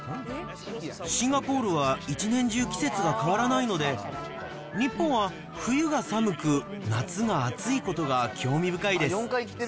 シンガポールは一年中季節が変わらないので、日本は冬が寒く、夏が暑いことが興味深いです。